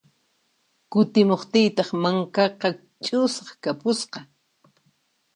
Kutimuqtiytaq mankaqa ch'usaq kapusqa.